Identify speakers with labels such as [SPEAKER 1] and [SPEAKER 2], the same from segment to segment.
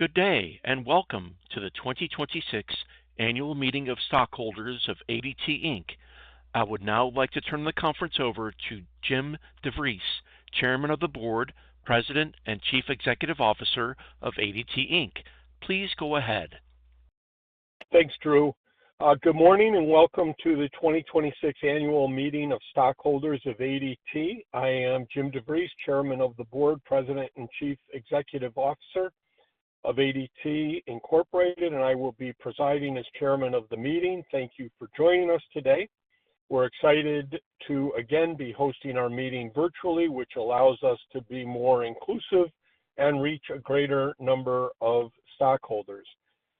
[SPEAKER 1] Good day, and welcome to the 2026 Annual Meeting of Stockholders of ADT Inc. I would now like to turn the conference over to Jim DeVries, Chairman of the Board, President, and Chief Executive Officer of ADT Inc. Please go ahead.
[SPEAKER 2] Thanks, Drew. Good morning and welcome to the 2026 Annual Meeting of Stockholders of ADT. I am Jim DeVries, Chairman of the Board, President, and Chief Executive Officer of ADT Incorporated, and I will be presiding as chairman of the meeting. Thank you for joining us today. We're excited to again be hosting our meeting virtually, which allows us to be more inclusive and reach a greater number of stockholders.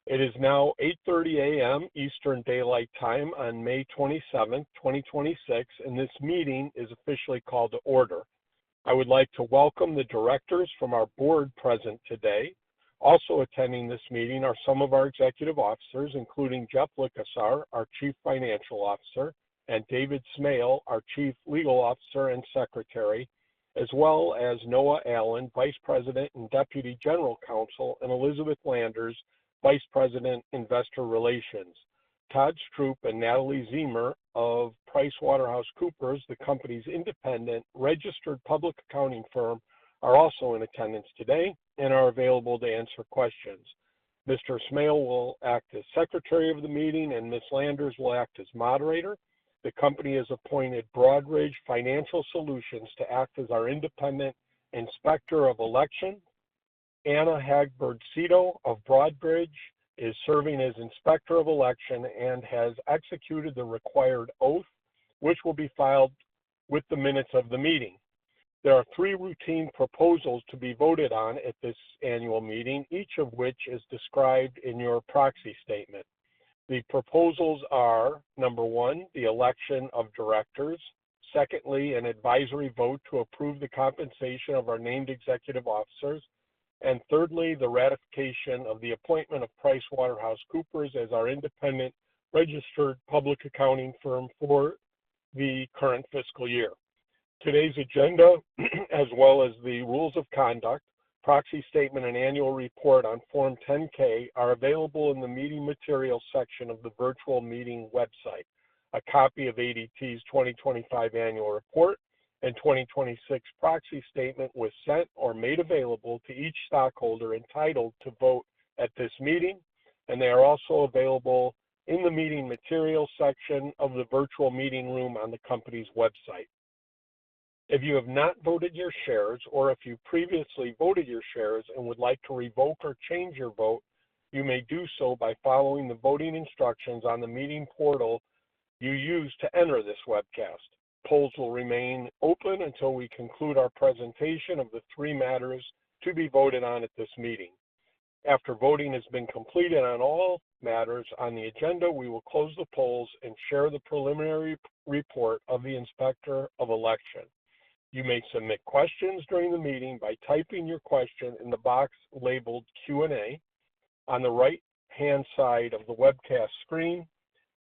[SPEAKER 2] It is now 8:30 A.M. Eastern Daylight Time on May 27th, 2026, and this meeting is officially called to order. I would like to welcome the directors from our board present today. Also attending this meeting are some of our executive officers, including Jeff Likosar, our Chief Financial Officer, and David Smail, our Chief Legal Officer and Secretary, as well as Noah Allen, Vice President and Deputy General Counsel, and Elizabeth Landers, Vice President, Investor Relations. Todd Stroop and Natalie Ziemer of PricewaterhouseCoopers, the company's independent registered public accounting firm, are also in attendance today and are available to answer questions. Mr. Smail will act as secretary of the meeting, and Ms. Landers will act as moderator. The company has appointed Broadridge Financial Solutions to act as our independent Inspector of Election. Anna Hagberg-Seto of Broadridge is serving as Inspector of Election and has executed the required oath, which will be filed with the minutes of the meeting. There are three routine proposals to be voted on at this annual meeting, each of which is described in your proxy statement. The proposals are, number one, the election of directors. Secondly, an advisory vote to approve the compensation of our named executive officers. Thirdly, the ratification of the appointment of PricewaterhouseCoopers as our independent registered public accounting firm for the current fiscal year. Today's agenda, as well as the rules of conduct, proxy statement, and annual report on Form 10-K are available in the meeting materials section of the virtual meeting website. A copy of ADT's Inc. 2025 annual report and 2026 proxy statement was sent or made available to each stockholder entitled to vote at this meeting, and they are also available in the meeting materials section of the virtual meeting room on the company's website. If you have not voted your shares or if you previously voted your shares and would like to revoke or change your vote, you may do so by following the voting instructions on the meeting portal you used to enter this webcast. Polls will remain open until we conclude our presentation of the three matters to be voted on at this meeting. After voting has been completed on all matters on the agenda, we will close the polls and share the preliminary report of the Inspector of Election. You may submit questions during the meeting by typing your question in the box labeled Q&A on the right-hand side of the webcast screen.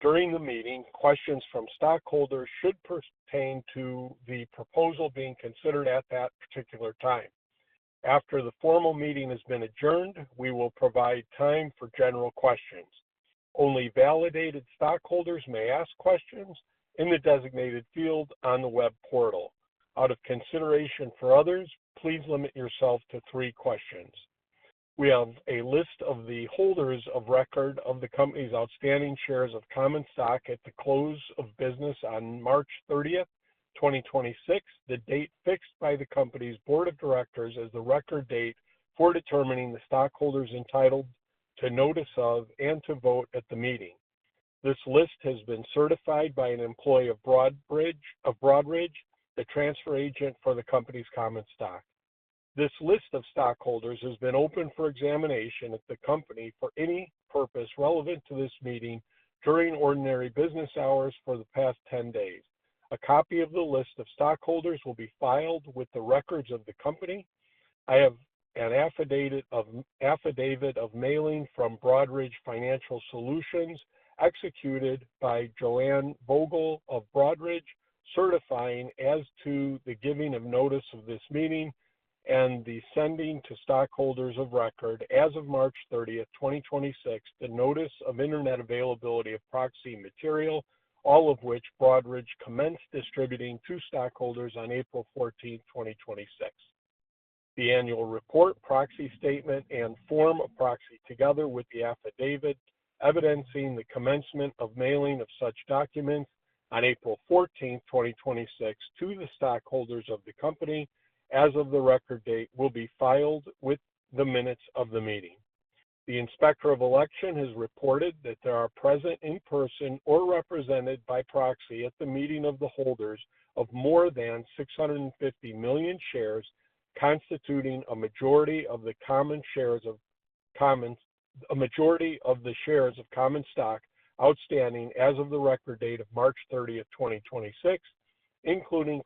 [SPEAKER 2] During the meeting, questions from stockholders should pertain to the proposal being considered at that particular time. After the formal meeting has been adjourned, we will provide time for general questions. Only validated stockholders may ask questions in the designated field on the web portal. Out of consideration for others, please limit yourself to three questions. We have a list of the holders of record of the company's outstanding shares of common stock at the close of business on March 30th, 2026, the date fixed by the company's Board of Directors as the record date for determining the stockholders entitled to notice of and to vote at the meeting. This list has been certified by an employee of Broadridge, the transfer agent for the company's common stock. This list of stockholders has been open for examination at the company for any purpose relevant to this meeting during ordinary business hours for the past 10 days. A copy of the list of stockholders will be filed with the records of the company. I have an affidavit of mailing from Broadridge Financial Solutions executed by Joanne Vogel of Broadridge, certifying as to the giving of notice of this meeting and the sending to stockholders of record as of March 30th, 2026, the notice of Internet availability of proxy material, all of which Broadridge commenced distributing to stockholders on April 14th, 2026. The annual report, proxy statement, and form of proxy, together with the affidavit evidencing the commencement of mailing of such documents on April 14th, 2026, to the stockholders of the company as of the record date, will be filed with the minutes of the meeting. The Inspector of Election has reported that there are present in person or represented by proxy at the meeting of the holders of more than 650 million shares, constituting a majority of the shares of common stock outstanding as of the record date of March 30th, 2026, including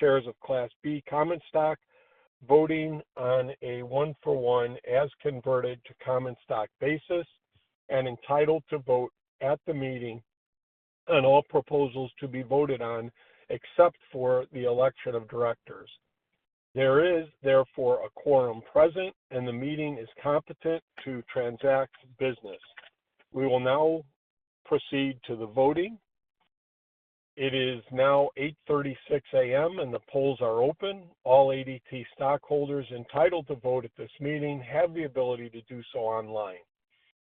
[SPEAKER 2] shares of Class B common stock, voting on a one-for-one as converted to common stock basis and entitled to vote at the meeting on all proposals to be voted on, except for the election of directors. There is therefore a quorum present and the meeting is competent to transact business. We will now proceed to the voting. It is now 8:36 A.M. and the polls are open. All ADT stockholders entitled to vote at this meeting have the ability to do so online.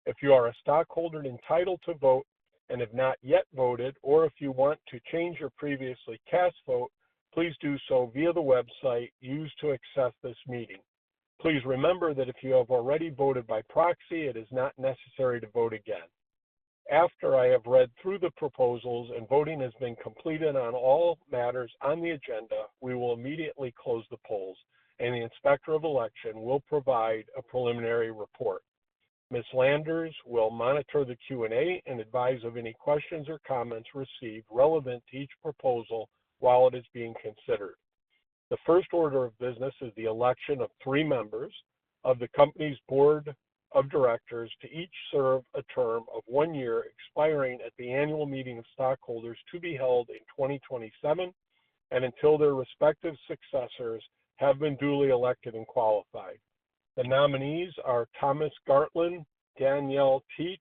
[SPEAKER 2] If you are a stockholder entitled to vote and have not yet voted, or if you want to change your previously cast vote, please do so via the website used to access this meeting. Please remember that if you have already voted by proxy, it is not necessary to vote again. After I have read through the proposals and voting has been completed on all matters on the agenda, we will immediately close the polls and the Inspector of Election will provide a preliminary report. Ms. Landers will monitor the Q&A and advise of any questions or comments received relevant to each proposal while it is being considered. The first order of business is the election of three members of the company's board of directors to each serve a term of one year, expiring at the annual meeting of stockholders to be held in 2027, and until their respective successors have been duly elected and qualified. The nominees are Thomas Gartland, Danielle Tiedt,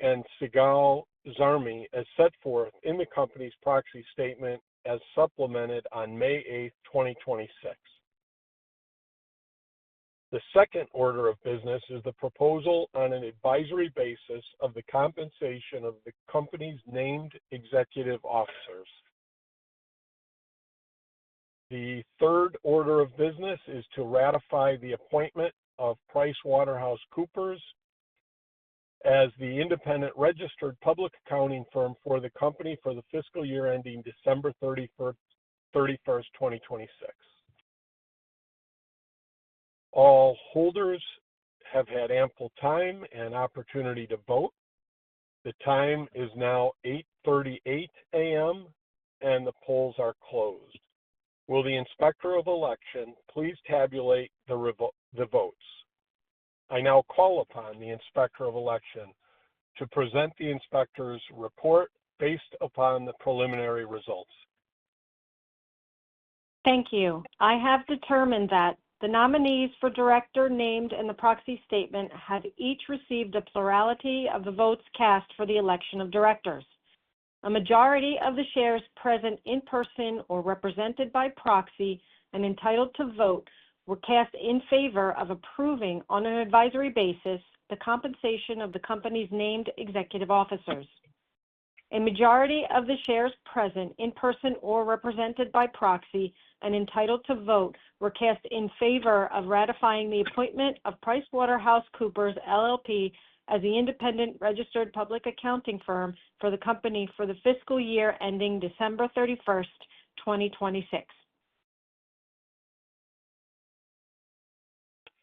[SPEAKER 2] and Sigal Zarmi, as set forth in the company's proxy statement as supplemented on May 8th, 2026. The second order of business is the proposal on an advisory basis of the compensation of the company's named executive officers. The third order of business is to ratify the appointment of PricewaterhouseCoopers as the independent registered public accounting firm for the company for the fiscal year ending December 31st, 2026. All holders have had ample time and opportunity to vote. The time is now 8:38 A.M. and the polls are closed. Will the Inspector of Election please tabulate the votes? I now call upon the Inspector of Election to present the inspector's report based upon the preliminary results.
[SPEAKER 3] Thank you. I have determined that the nominees for director named in the proxy statement have each received a plurality of the votes cast for the election of directors. A majority of the shares present in person or represented by proxy and entitled to vote were cast in favor of approving on an advisory basis the compensation of the company's named executive officers. A majority of the shares present in person or represented by proxy and entitled to vote were cast in favor of ratifying the appointment of PricewaterhouseCoopers LLP as the independent registered public accounting firm for the company for the fiscal year ending December 31st, 2026.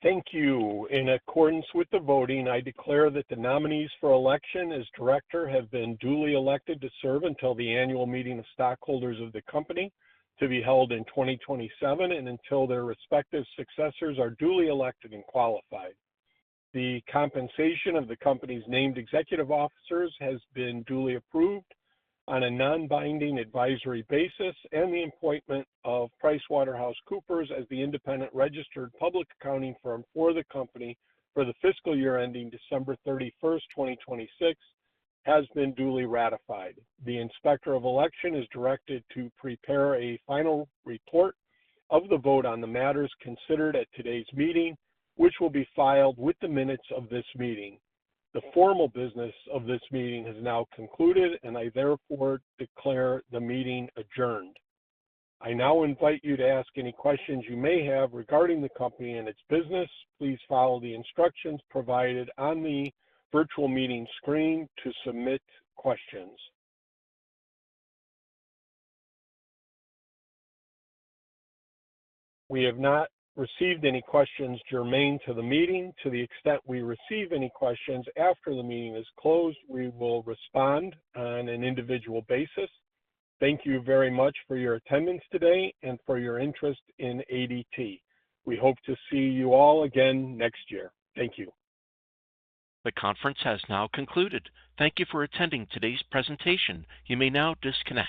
[SPEAKER 2] Thank you. In accordance with the voting, I declare that the nominees for election as director have been duly elected to serve until the annual meeting of stockholders of the company to be held in 2027 and until their respective successors are duly elected and qualified. The compensation of the company's named executive officers has been duly approved on a non-binding advisory basis. The appointment of PricewaterhouseCoopers as the independent registered public accounting firm for the company for the fiscal year ending December 31st, 2026, has been duly ratified. The Inspector of Election is directed to prepare a final report of the vote on the matters considered at today's meeting, which will be filed with the minutes of this meeting. The formal business of this meeting is now concluded. I therefore declare the meeting adjourned. I now invite you to ask any questions you may have regarding the company and its business. Please follow the instructions provided on the virtual meeting screen to submit questions. We have not received any questions germane to the meeting. To the extent we receive any questions after the meeting is closed, we will respond on an individual basis. Thank you very much for your attendance today and for your interest in ADT. We hope to see you all again next year. Thank you.
[SPEAKER 1] The conference has now concluded. Thank you for attending today's presentation. You may now disconnect.